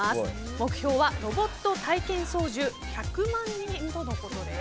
目標はロボット体験操縦１００万人とのことです。